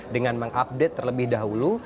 dengan mengupdate terlebih dahulu